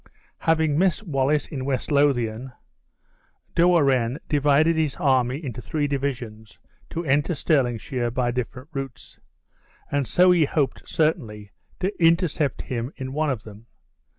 Having missed Wallace in West Lothian, De Warenne divided his army into three divisions, to enter Stirlingshire by different routes; and so he hoped, certainly, to intercept him in one of them.